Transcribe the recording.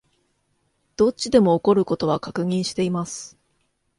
どっちでも起こる事は確認しています